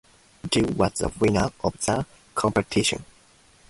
Jee was the winner of the competition.